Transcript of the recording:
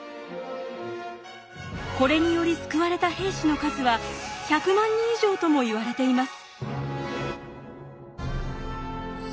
これにより救われた兵士の数は１００万人以上ともいわれています。